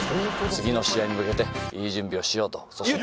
次の試合に向けて良い準備をしようと。